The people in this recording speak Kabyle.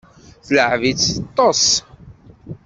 Tleɛɛeb-itt teṭṭes.